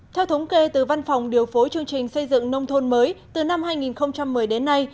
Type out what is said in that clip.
theo thống kê từ văn phòng điều phối chương trình xây dựng nông thôn mới từ năm hai nghìn một mươi đến nay